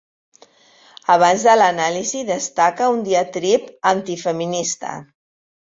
Abans de l'anàlisi destaca un diatrib anti-feminista.